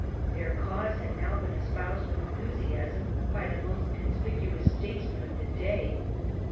Their cause had now been espoused with enthusiasm by the most conspicuous statesman of the day.